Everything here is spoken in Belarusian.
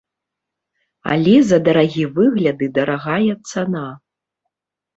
Але за дарагі выгляд і дарагая цана.